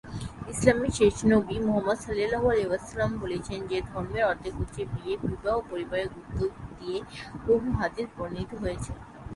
ইসলামের শেষ নবী, মুহাম্মাদ, বলেছেন যে, "ধর্মের অর্ধেক হচ্ছে বিয়ে"; বিবাহ ও পরিবারের গুরুত্ব দিয়ে বহু হাদীস বর্ণিত হয়েছে।